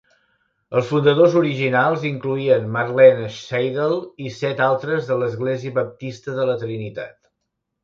Els fundadors originals incloïen Marlene Seidel i set altres de l'Església Baptista de la Trinitat.